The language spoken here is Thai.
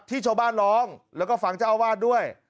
ที่ชาวบ้านร้องแล้วก็ฟังเจ้าอาวาสด้วย